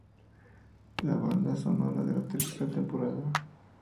La banda sonora de la tercera temporada.